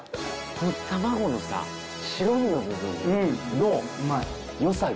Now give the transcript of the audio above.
卵のさ白身の部分のよさが。